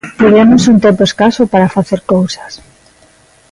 Tivemos un tempo escaso para facer cousas.